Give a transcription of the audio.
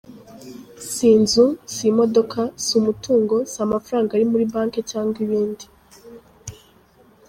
Si inzu, si imodoka, si umutungo, si amafaranga ari muri Banki cyangwa ibindi,….